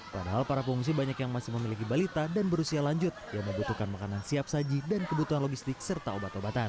padahal para pengungsi banyak yang masih memiliki balita dan berusia lanjut yang membutuhkan makanan siap saji dan kebutuhan logistik serta obat obatan